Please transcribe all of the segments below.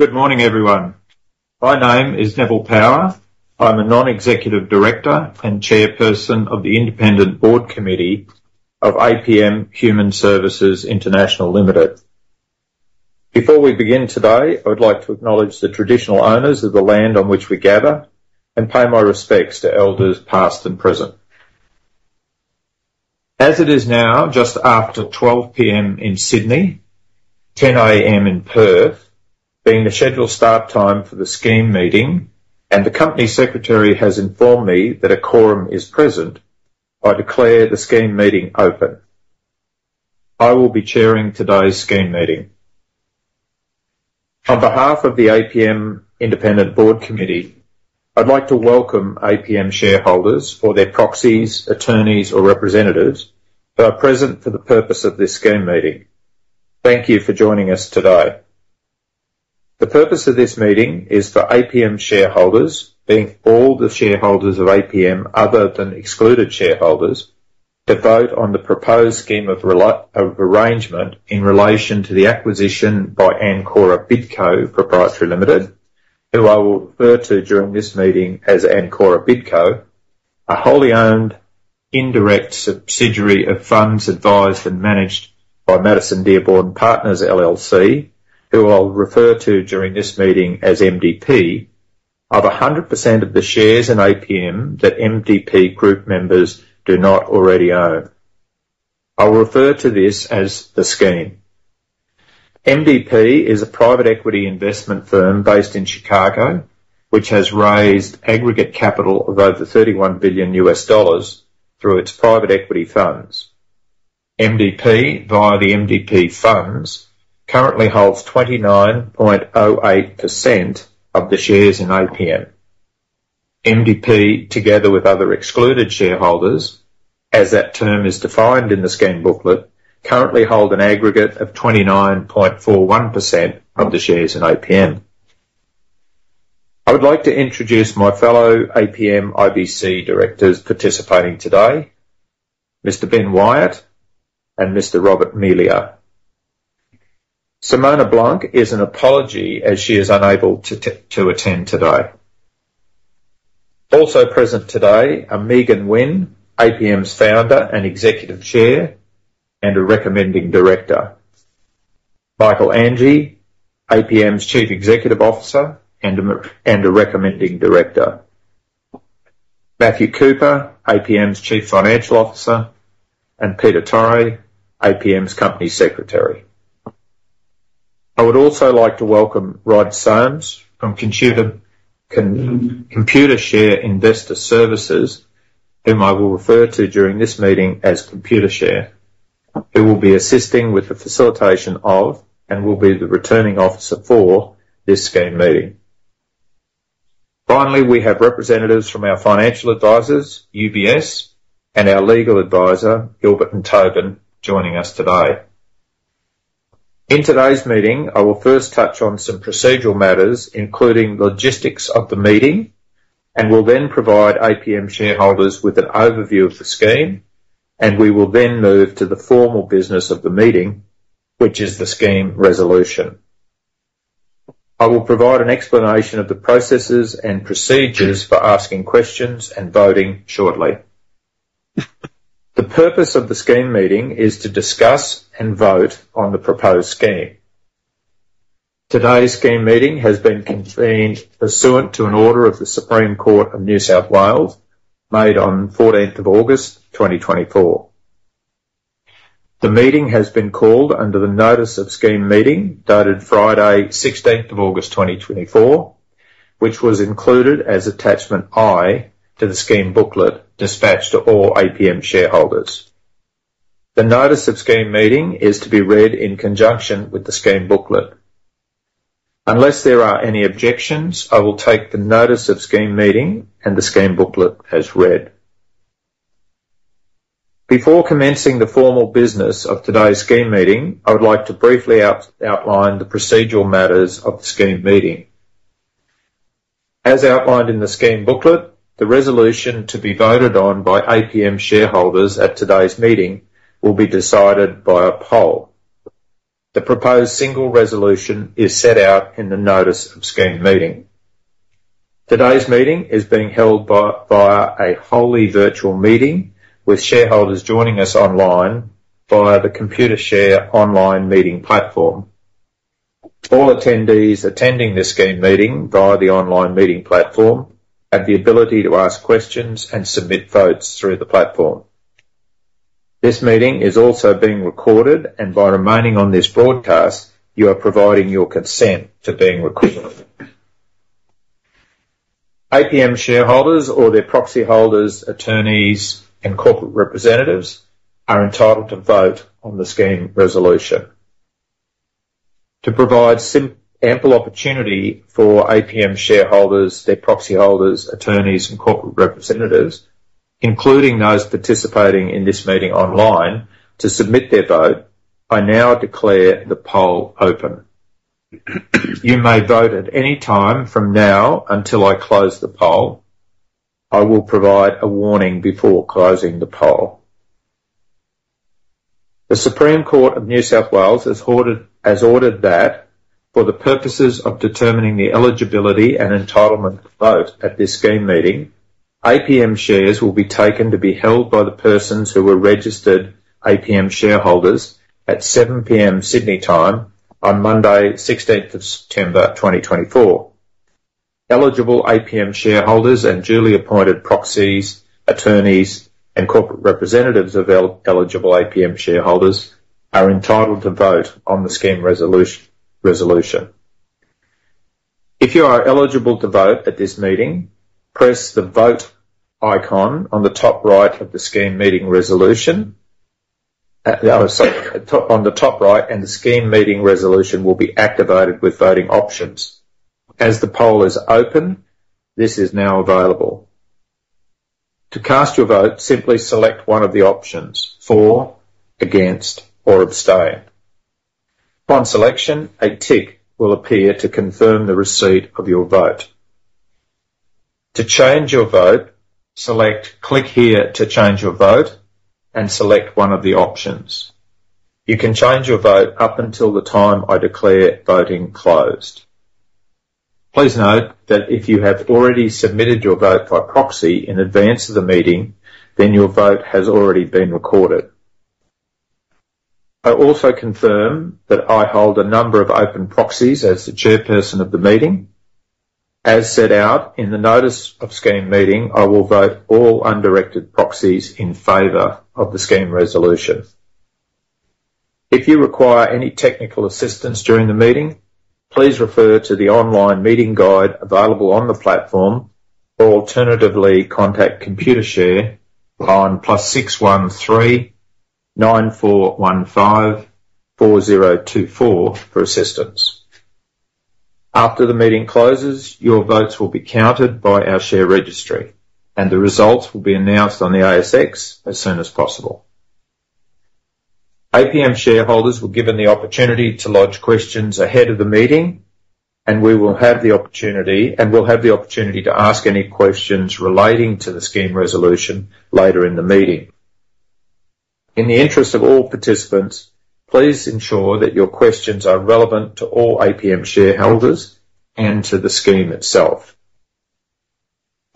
Good morning, everyone. My name is Neville Power. I'm a non-executive director and Chairperson of the Independent Board Committee of APM Human Services International Limited. Before we begin today, I would like to acknowledge the traditional owners of the land on which we gather and pay my respects to elders past and present. As it is now, just after 12:00 P.M. in Sydney, 10:00 A.M. in Perth, being the scheduled start time for the scheme meeting, and the Company Secretary has informed me that a quorum is present, I declare the scheme meeting open. I will be chairing today's scheme meeting. On behalf of the APM Independent Board Committee, I'd like to welcome APM shareholders or their proxies, attorneys, or representatives that are present for the purpose of this scheme meeting. Thank you for joining us today. The purpose of this meeting is for APM shareholders, being all the shareholders of APM, other than excluded shareholders, to vote on the proposed scheme of arrangement in relation to the acquisition by Ancora BidCo Pty Ltd, who I will refer to during this meeting as Ancora Bidco, a wholly owned indirect subsidiary of funds advised and managed by Madison Dearborn Partners, LLC, who I'll refer to during this meeting as MDP, of 100% of the shares in APM that MDP group members do not already own. I'll refer to this as the Scheme. MDP is a private equity investment firm based in Chicago, which has raised aggregate capital of over $31 billion through its private equity funds. MDP, via the MDP funds, currently holds 29.08% of the shares in APM. MDP, together with other excluded shareholders, as that term is defined in the scheme booklet, currently hold an aggregate of 29.41% of the shares in APM. I would like to introduce my fellow APM IBC directors participating today, Mr Ben Wyatt and Mr Robert Melia. Simone Blank is an apology as she is unable to attend today. Also present today are Megan Wynne, APM's founder and executive chair, and a recommending director. Michael Anghie, APM's Chief Executive Officer, and a recommending director. Matthew Cooper, APM's Chief Financial Officer, and Peter Torre, APM's Company Secretary. I would also like to welcome Rod Sames from Computershare Investor Services, whom I will refer to during this meeting as Computershare, who will be assisting with the facilitation of and will be the Returning Officer for this scheme meeting. Finally, we have representatives from our financial advisors, UBS, and our legal advisor, Gilbert and Tobin, joining us today. In today's meeting, I will first touch on some procedural matters, including logistics of the meeting, and will then provide APM shareholders with an overview of the scheme, and we will then move to the formal business of the meeting, which is the scheme resolution. I will provide an explanation of the processes and procedures for asking questions and voting shortly. The purpose of the scheme meeting is to discuss and vote on the proposed scheme. Today's scheme meeting has been convened pursuant to an order of the Supreme Court of New South Wales, made on fourteenth of August, twenty twenty-four. The meeting has been called under the notice of scheme meeting, dated Friday, sixteenth of August, twenty twenty-four, which was included as Attachment I to the scheme booklet, dispatched to all APM shareholders. The notice of scheme meeting is to be read in conjunction with the scheme booklet. Unless there are any objections, I will take the notice of scheme meeting and the scheme booklet as read. Before commencing the formal business of today's scheme meeting, I would like to briefly outline the procedural matters of the scheme meeting. As outlined in the scheme booklet, the resolution to be voted on by APM shareholders at today's meeting will be decided by a poll. The proposed single resolution is set out in the notice of scheme meeting. Today's meeting is being held via a wholly virtual meeting, with shareholders joining us online via the Computershare online meeting platform. All attendees attending this scheme meeting via the online meeting platform have the ability to ask questions and submit votes through the platform. This meeting is also being recorded, and by remaining on this broadcast, you are providing your consent to being recorded. APM shareholders or their proxy holders, attorneys, and corporate representatives are entitled to vote on the scheme resolution. To provide ample opportunity for APM shareholders, their proxy holders, attorneys, and corporate representatives, including those participating in this meeting online, to submit their vote, I now declare the poll open. You may vote at any time from now until I close the poll. I will provide a warning before closing the poll. The Supreme Court of New South Wales has ordered that for the purposes of determining the eligibility and entitlement to vote at this scheme meeting, APM shares will be taken to be held by the persons who were registered APM shareholders at 7:00 P.M. Sydney time on Monday, sixteenth of September, 2024. Eligible APM shareholders and duly appointed proxies, attorneys, and corporate representatives of eligible APM shareholders are entitled to vote on the scheme resolution. If you are eligible to vote at this meeting, press the Vote icon on the top right of the scheme meeting resolution. Sorry, on the top right, and the scheme meeting resolution will be activated with voting options. As the poll is open, this is now available. To cast your vote, simply select one of the options: For, Against, or Abstain. Upon selection, a tick will appear to confirm the receipt of your vote. To change your vote, select Click here to change your vote and select one of the options. You can change your vote up until the time I declare voting closed. Please note that if you have already submitted your vote by proxy in advance of the meeting, then your vote has already been recorded. I also confirm that I hold a number of open proxies as the chairperson of the meeting. As set out in the notice of scheme meeting, I will vote all undirected proxies in favor of the scheme resolution. If you require any technical assistance during the meeting, please refer to the online meeting guide available on the platform, or alternatively, contact Computershare on plus six one three-nine four one five-four zero two four for assistance. After the meeting closes, your votes will be counted by our share registry, and the results will be announced on the ASX as soon as possible. APM shareholders were given the opportunity to lodge questions ahead of the meeting, and we will have the opportunity to ask any questions relating to the scheme resolution later in the meeting. In the interest of all participants, please ensure that your questions are relevant to all APM shareholders and to the scheme itself.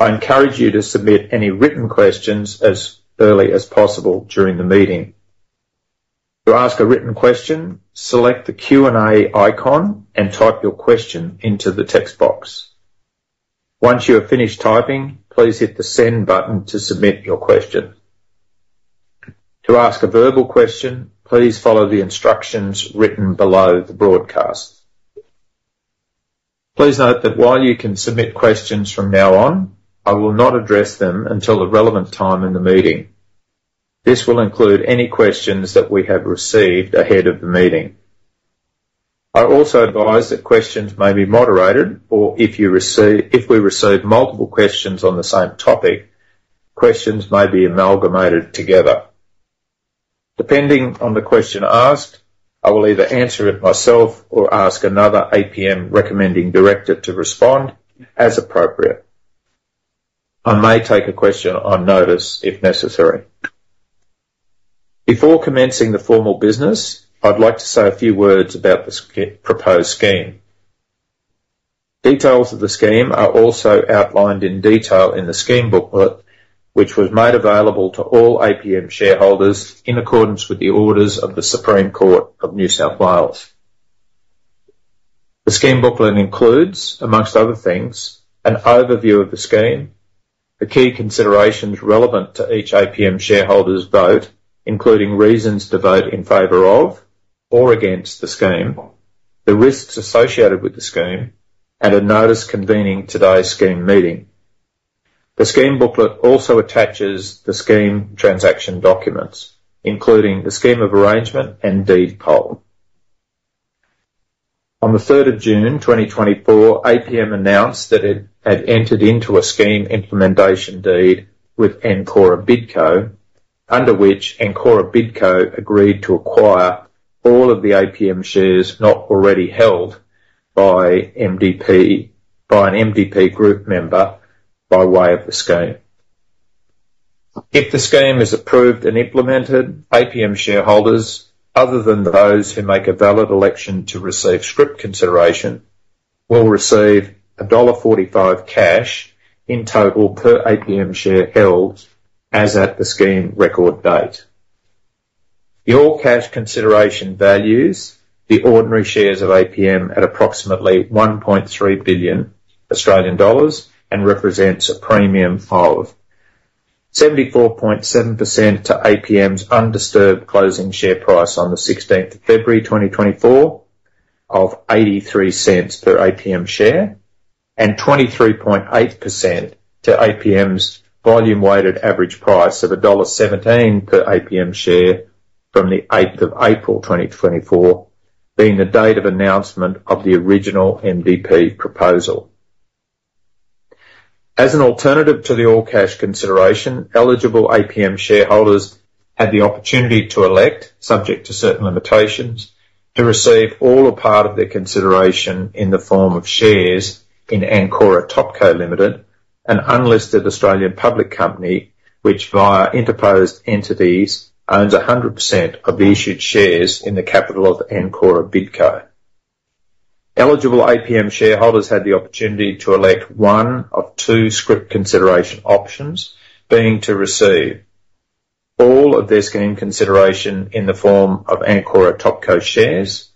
I encourage you to submit any written questions as early as possible during the meeting. To ask a written question, select the Q&A icon and type your question into the text box. Once you have finished typing, please hit the Send button to submit your question. To ask a verbal question, please follow the instructions written below the broadcast. Please note that while you can submit questions from now on, I will not address them until the relevant time in the meeting. This will include any questions that we have received ahead of the meeting. I also advise that questions may be moderated, or if we receive multiple questions on the same topic, questions may be amalgamated together. Depending on the question asked, I will either answer it myself or ask another APM recommending director to respond as appropriate. I may take a question on notice, if necessary. Before commencing the formal business, I'd like to say a few words about the proposed scheme. Details of the scheme are also outlined in detail in the scheme booklet, which was made available to all APM shareholders in accordance with the orders of the Supreme Court of New South Wales. The scheme booklet includes, among other things, an overview of the scheme, the key considerations relevant to each APM shareholder's vote, including reasons to vote in favor of or against the scheme, the risks associated with the scheme, and a notice convening today's scheme meeting. The scheme booklet also attaches the scheme transaction documents, including the scheme of arrangement and deed poll. On the third of June, twenty twenty-four, APM announced that it had entered into a scheme implementation deed with Ancora Bidco, under which Ancora Bidco agreed to acquire all of the APM shares not already held by MDP, by an MDP group member, by way of the scheme. If the scheme is approved and implemented, APM shareholders, other than those who make a valid election to receive scrip consideration, will receive dollar 1.45 cash in total per APM share held as at the scheme record date. The all-cash consideration values the ordinary shares of APM at approximately 1.3 billion Australian dollars and represents a premium of 74.7% to APM's undisturbed closing share price on the sixteenth of February, 2024, of 0.83 per APM share, and 23.8% to APM's volume-weighted average price of dollar 1.17 per APM share from the eighth of April, 2024, being the date of announcement of the original MDP proposal. As an alternative to the all-cash consideration, eligible APM shareholders had the opportunity to elect, subject to certain limitations, to receive all or part of their consideration in the form of shares in Ancora Topco Limited, an unlisted Australian public company, which via interposed entities owns 100% of the issued shares in the capital of Ancora Bidco. Eligible APM shareholders had the opportunity to elect one of two scrip consideration options, being to receive all of their scheme consideration in the form of Ancora Topco shares,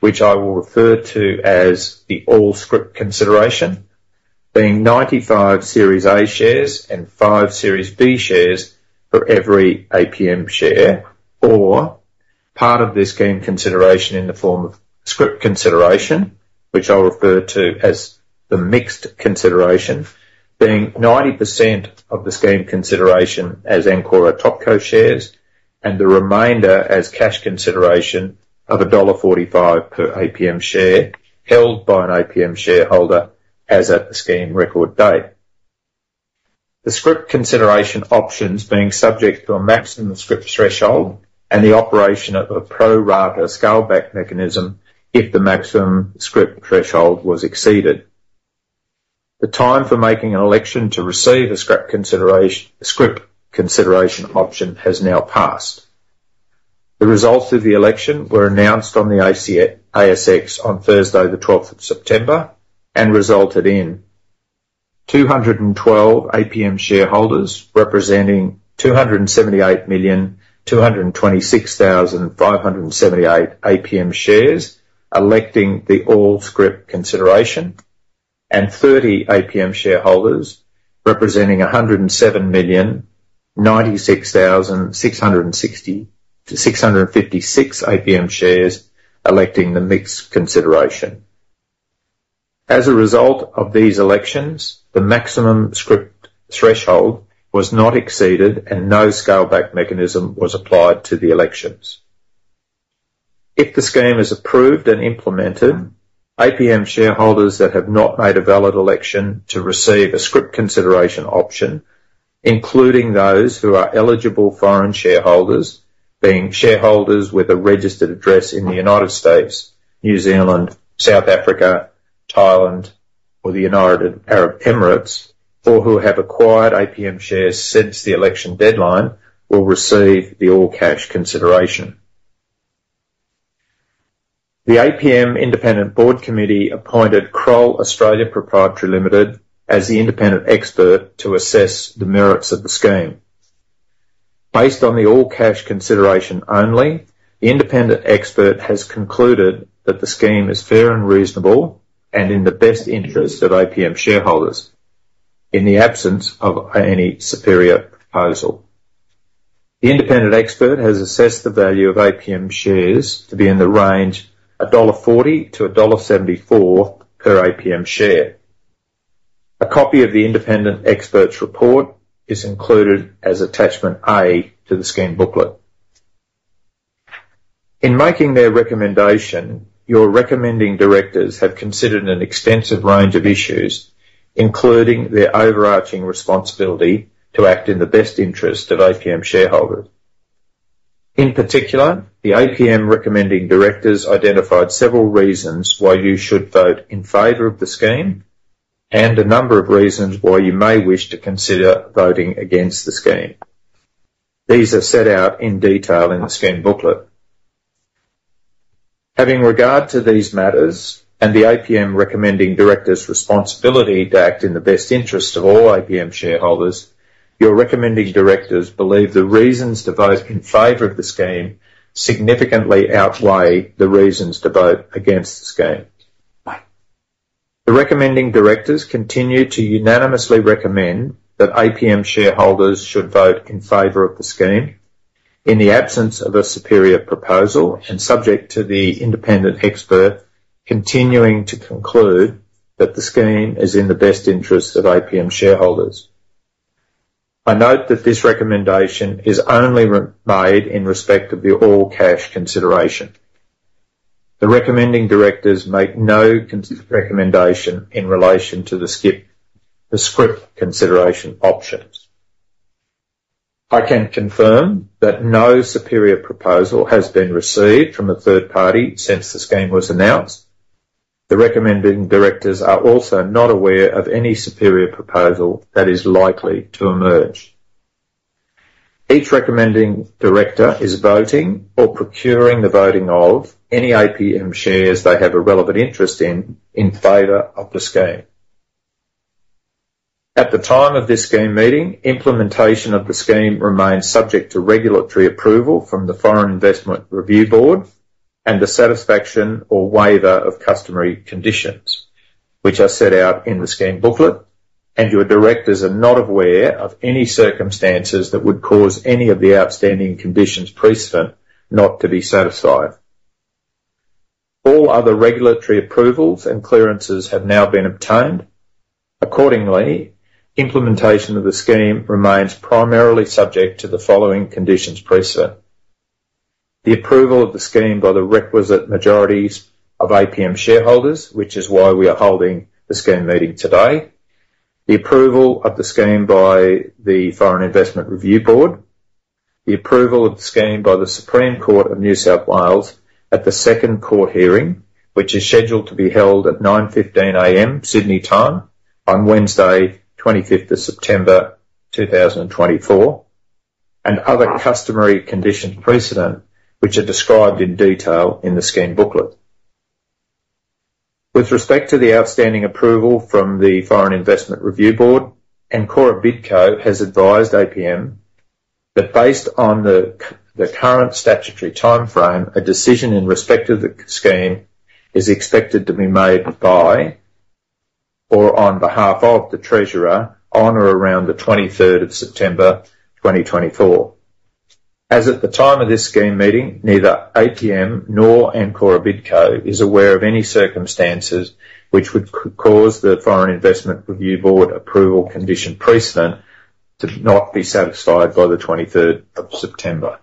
which I will refer to as the all-scrip consideration, being 95 Series A shares and five Series B shares for every APM share, or part of their scheme consideration in the form of scrip consideration, which I'll refer to as the mixed consideration, being 90% of the scheme consideration as Ancora Topco shares and the remainder as cash consideration of $1.45 per APM share held by an APM shareholder as at the scheme record date. The scrip consideration options being subject to a maximum scrip threshold and the operation of a pro rata scale back mechanism if the maximum scrip threshold was exceeded. The time for making an election to receive a scrip consideration, scrip consideration option has now passed. The results of the election were announced on the ASX on Thursday, the twelfth of September, and resulted in two hundred and twelve APM shareholders, representing two hundred and seventy-eight million, two hundred and twenty-six thousand, five hundred and seventy-eight APM shares, electing the all-scrip consideration, and thirty APM shareholders, representing one hundred and seven million, ninety-six thousand, six hundred and fifty-six APM shares, electing the mixed consideration. As a result of these elections, the maximum scrip threshold was not exceeded, and no scale back mechanism was applied to the elections. If the scheme is approved and implemented, APM shareholders that have not made a valid election to receive a scrip consideration option, including those who are eligible foreign shareholders, being shareholders with a registered address in the United States, New Zealand, South Africa, Thailand, or the United Arab Emirates, or who have acquired APM shares since the election deadline, will receive the all-cash consideration. The APM Independent Board Committee appointed Kroll Australia Pty Ltd as the independent expert to assess the merits of the scheme. Based on the all-cash consideration only, the independent expert has concluded that the scheme is fair and reasonable and in the best interest of APM shareholders, in the absence of any superior proposal. The independent expert has assessed the value of APM shares to be in the range of $1.40-$1.74 per APM share. A copy of the independent expert's report is included as Attachment A to the scheme booklet. In making their recommendation, your recommending directors have considered an extensive range of issues, including their overarching responsibility to act in the best interest of APM shareholders. In particular, the APM recommending directors identified several reasons why you should vote in favor of the scheme and a number of reasons why you may wish to consider voting against the scheme. These are set out in detail in the scheme booklet. Having regard to these matters and the APM recommending directors' responsibility to act in the best interest of all APM shareholders, your recommending directors believe the reasons to vote in favor of the scheme significantly outweigh the reasons to vote against the scheme. The recommending directors continue to unanimously recommend that APM shareholders should vote in favor of the scheme in the absence of a superior proposal, and subject to the independent expert continuing to conclude that the scheme is in the best interest of APM shareholders. I note that this recommendation is only remade in respect of the all-cash consideration. The recommending directors make no recommendation in relation to the scrip consideration options. I can confirm that no superior proposal has been received from a third party since the scheme was announced. The recommending directors are also not aware of any superior proposal that is likely to emerge. Each recommending director is voting, or procuring the voting of, any APM shares they have a relevant interest in, in favor of the scheme. At the time of this scheme meeting, implementation of the scheme remains subject to regulatory approval from the Foreign Investment Review Board and the satisfaction or waiver of customary conditions, which are set out in the scheme booklet, and your directors are not aware of any circumstances that would cause any of the outstanding conditions precedent not to be satisfied. All other regulatory approvals and clearances have now been obtained. Accordingly, implementation of the scheme remains primarily subject to the following conditions precedent: The approval of the scheme by the requisite majorities of APM shareholders, which is why we are holding the scheme meeting today, the approval of the scheme by the Foreign Investment Review Board. The approval of the scheme by the Supreme Court of New South Wales at the second court hearing, which is scheduled to be held at 9:15 A.M. Sydney time, on Wednesday, twenty-fifth of September 2024, and other customary conditions precedent, which are described in detail in the scheme booklet. With respect to the outstanding approval from the Foreign Investment Review Board, Ancora Bidco has advised APM that based on the current statutory timeframe, a decision in respect to the scheme is expected to be made by, or on behalf of the Treasurer, on or around the twenty-third of September 2024. As at the time of this scheme meeting, neither APM nor Ancora Bidco is aware of any circumstances which would cause the Foreign Investment Review Board approval condition precedent to not be satisfied by the twenty-third of September.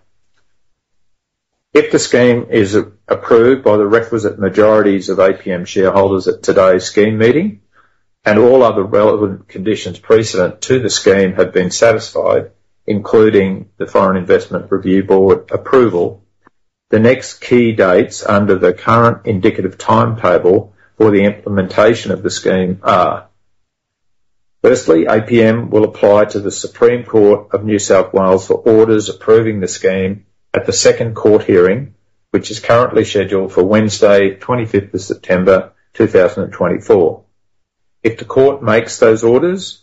If the scheme is approved by the requisite majorities of APM shareholders at today's scheme meeting, and all other relevant conditions precedent to the scheme have been satisfied, including the Foreign Investment Review Board approval, the next key dates under the current indicative timetable for the implementation of the scheme are: firstly, APM will apply to the Supreme Court of New South Wales for orders approving the scheme at the second court hearing, which is currently scheduled for Wednesday, twenty-fifth of September, two thousand and twenty-four. If the Court makes those orders,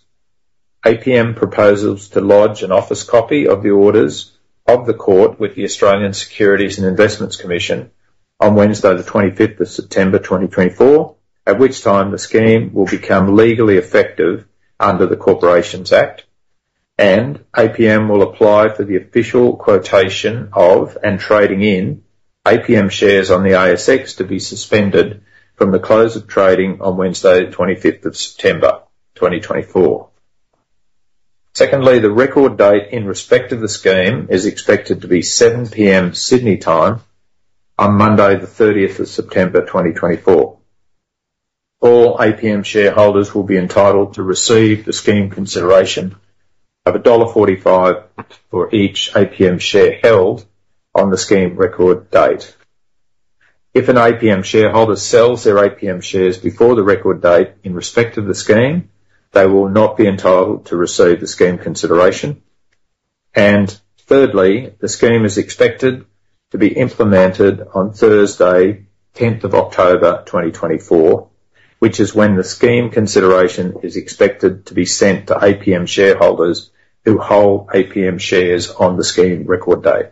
APM proposes to lodge an office copy of the orders of the Court with the Australian Securities and Investments Commission on Wednesday, the twenty-fifth of September, 2024, at which time the scheme will become legally effective under the Corporations Act, and APM will apply for the official quotation of, and trading in, APM shares on the ASX to be suspended from the close of trading on Wednesday, the twenty-fifth of September, 2024. Secondly, the record date in respect to the scheme is expected to be 7:00 P.M. Sydney time on Monday, the thirtieth of September, 2024. All APM shareholders will be entitled to receive the scheme consideration of $1.45 for each APM share held on the scheme record date. If an APM shareholder sells their APM shares before the record date in respect to the scheme, they will not be entitled to receive the scheme consideration, and thirdly, the scheme is expected to be implemented on Thursday, tenth of October, twenty twenty-four, which is when the scheme consideration is expected to be sent to APM shareholders who hold APM shares on the scheme record date.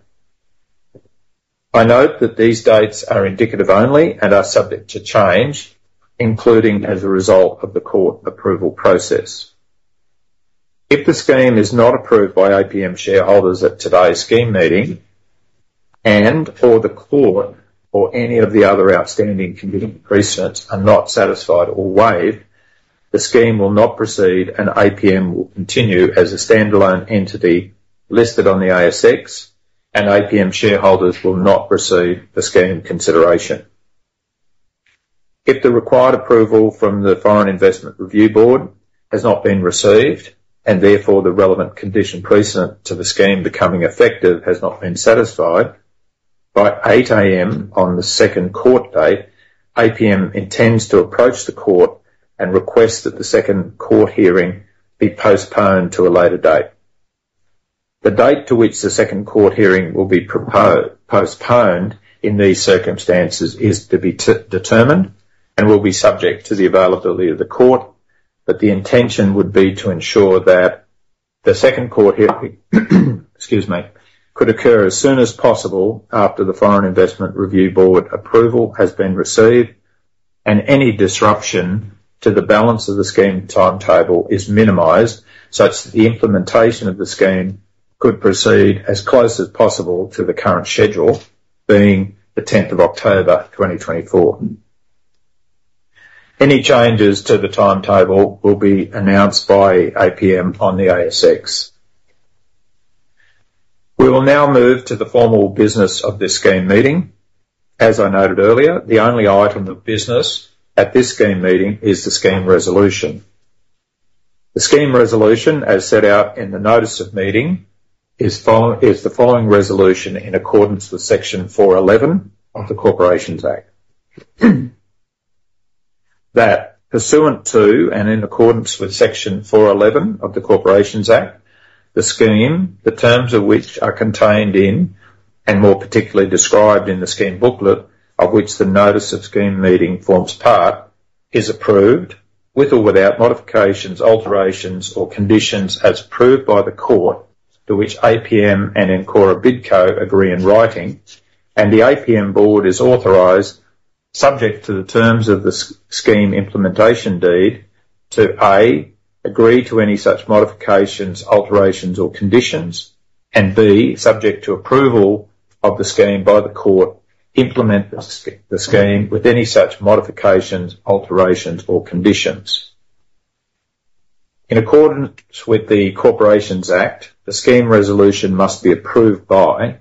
I note that these dates are indicative only and are subject to change, including as a result of the court approval process. If the scheme is not approved by APM shareholders at today's scheme meeting, and/or the Court or any of the other outstanding conditions precedent are not satisfied or waived, the scheme will not proceed, and APM will continue as a standalone entity listed on the ASX, and APM shareholders will not receive the scheme consideration. If the required approval from the Foreign Investment Review Board has not been received, and therefore the relevant condition precedent to the scheme becoming effective has not been satisfied, by 8:00 A.M. on the second court date, APM intends to approach the Court and request that the second court hearing be postponed to a later date. The date to which the second court hearing will be postponed in these circumstances is to be determined and will be subject to the availability of the Court, but the intention would be to ensure that the second court hearing, excuse me, could occur as soon as possible after the Foreign Investment Review Board approval has been received, and any disruption to the balance of the scheme timetable is minimized, such that the implementation of the scheme could proceed as close as possible to the current schedule, being the tenth of October, twenty twenty-four. Any changes to the timetable will be announced by APM on the ASX. We will now move to the formal business of this scheme meeting. As I noted earlier, the only item of business at this scheme meeting is the scheme resolution. The scheme resolution, as set out in the notice of meeting, is the following resolution in accordance with Section 411 of the Corporations Act. That pursuant to, and in accordance with Section 411 of the Corporations Act, the scheme, the terms of which are contained in, and more particularly described in the scheme booklet, of which the notice of scheme meeting forms part, is approved, with or without modifications, alterations, or conditions, as approved by the Court, to which APM and Ancora Bidco agree in writing, and the APM board is authorized, subject to the terms of the scheme implementation deed, to, A, agree to any such modifications, alterations, or conditions, and B, subject to approval of the scheme by the Court, implement the scheme with any such modifications, alterations, or conditions. In accordance with the Corporations Act, the scheme resolution must be approved by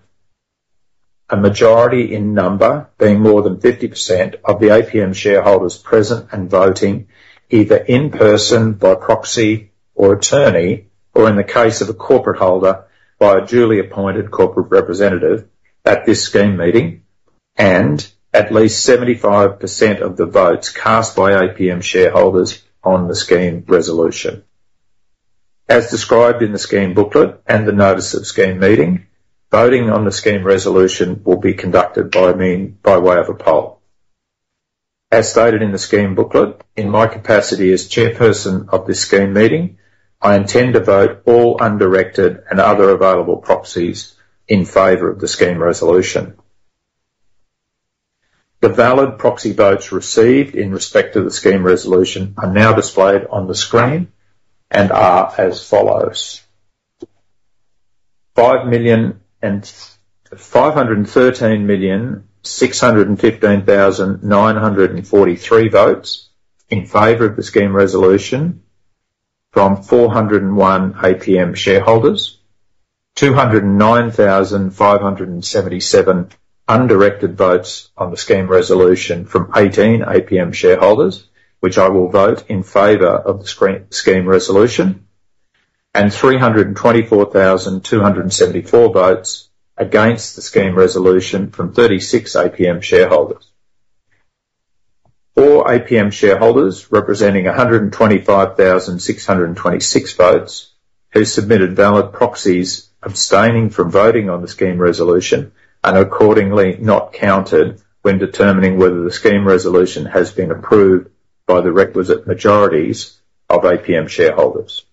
a majority in number, being more than 50% of the APM shareholders present and voting, either in person, by proxy, or attorney, or in the case of a corporate holder, by a duly appointed corporate representative at this scheme meeting, and at least 75% of the votes cast by APM shareholders on the scheme resolution. As described in the scheme booklet and the notice of scheme meeting, voting on the scheme resolution will be conducted by means, by way of a poll. As stated in the scheme booklet, in my capacity as chairperson of this scheme meeting, I intend to vote all undirected and other available proxies in favor of the scheme resolution. The valid proxy votes received in respect to the scheme resolution are now displayed on the screen and are as follows: five hundred and thirteen million, six hundred and fifteen thousand, nine hundred and forty-three votes in favor of the scheme resolution from four hundred and one APM shareholders. Two hundred and nine thousand, five hundred and seventy-seven undirected votes on the scheme resolution from eighteen APM shareholders, which I will vote in favor of the scheme resolution, and three hundred and twenty-four thousand, two hundred and seventy-four votes against the scheme resolution from thirty-six APM shareholders. Four APM shareholders, representing a hundred and twenty-five thousand, six hundred and twenty-six votes, who submitted valid proxies, abstaining from voting on the scheme resolution, are accordingly not counted when determining whether the scheme resolution has been approved by the requisite majorities of APM shareholders.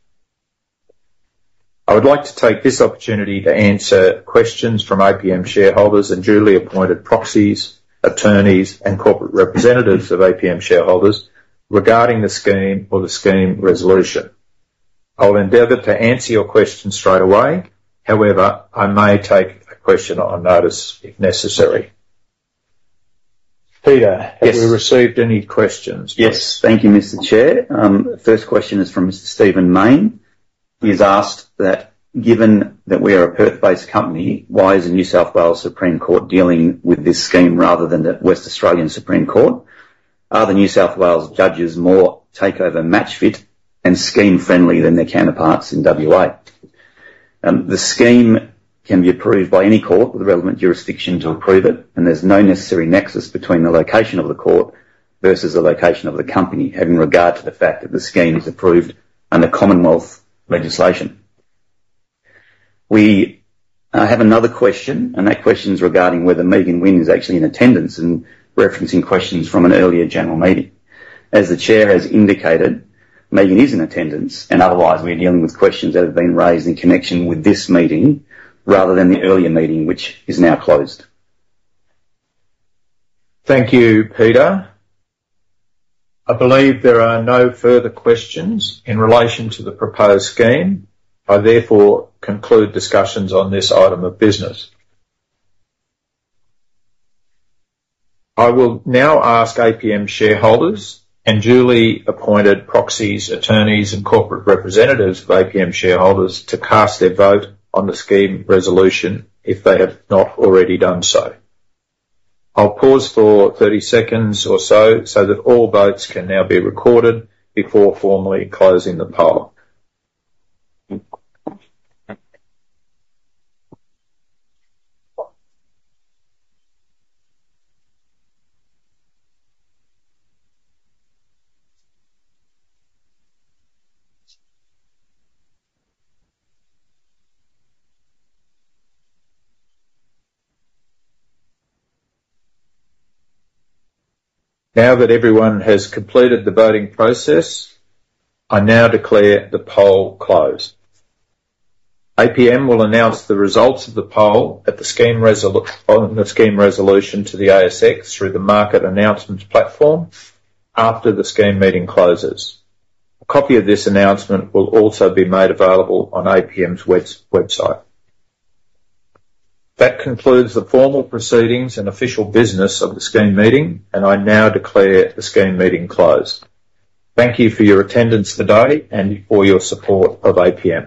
I would like to take this opportunity to answer questions from APM shareholders and duly appointed proxies, attorneys, and corporate representatives of APM shareholders regarding the scheme or the scheme resolution. I will endeavor to answer your question straight away. However, I may take a question on notice if necessary. Peter- Yes. Have we received any questions? Yes. Thank you, Mr. Chair. First question is from Mr. Stephen Mayne. He's asked that, "Given that we are a Perth-based company, why is the New South Wales Supreme Court dealing with this scheme rather than the Western Australian Supreme Court? Are the New South Wales judges more takeover, match fit, and scheme-friendly than their counterparts in WA?" The scheme can be approved by any court with relevant jurisdiction to approve it, and there's no necessary nexus between the location of the court versus the location of the company, having regard to the fact that the scheme is approved under Commonwealth legislation. We have another question, and that question is regarding whether Megan Wynne is actually in attendance and referencing questions from an earlier general meeting. As the Chair has indicated, Megan is in attendance, and otherwise, we're dealing with questions that have been raised in connection with this meeting rather than the earlier meeting, which is now closed. Thank you, Peter. I believe there are no further questions in relation to the proposed scheme. I therefore conclude discussions on this item of business. I will now ask APM shareholders and duly appointed proxies, attorneys, and corporate representatives of APM shareholders to cast their vote on the scheme resolution if they have not already done so. I'll pause for thirty seconds or so, so that all votes can now be recorded before formally closing the poll. Now that everyone has completed the voting process, I now declare the poll closed. APM will announce the results of the poll on the scheme resolution to the ASX through the market announcements platform after the scheme meeting closes. A copy of this announcement will also be made available on APM's website. That concludes the formal proceedings and official business of the scheme meeting, and I now declare the scheme meeting closed. Thank you for your attendance today and for your support of APM.